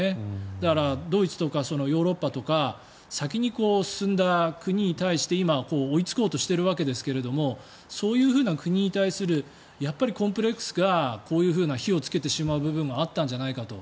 だからドイツとかヨーロッパとか先に進んだ国に対して今、追いつこうとしているわけですけどもそういうふうな国に対するやっぱりコンプレックスがこういうふうな火をつけてしまう部分があったんじゃないかと。